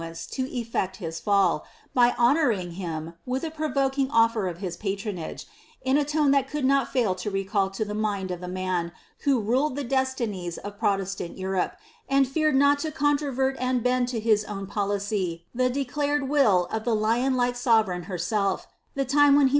e to effect liH fall, by hnnnurir liiiii with a provoking ofHit nf his pntrnna^e, in a tone ihni covM ni fail to reral to ihe loiiid of Llie man who ruled the deilinies of ProW tsnl Europe, and feared not to controverl and bend to his own poJi* ■he declared will of the lion like Hoverei^n herself, the time when li iva."